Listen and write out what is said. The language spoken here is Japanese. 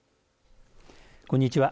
こんにちは。